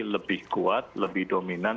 lebih kuat lebih dominan